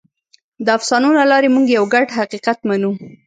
د افسانو له لارې موږ یو ګډ حقیقت منو.